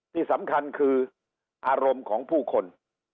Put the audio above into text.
ที่สำคัญคืออารมณ์ของผู้คน